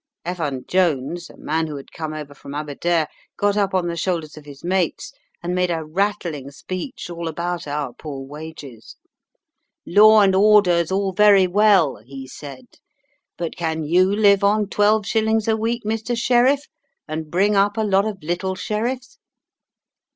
Evan Jones, a man who had come over from Aberdare, got up on the shoulders of his mates and made a rattling speech all about our poor wages. "'Law and order's all very well," he said, "but can you live on twelve shillings a week, Mr. Sheriff, and bring up a lot of little sheriffs?'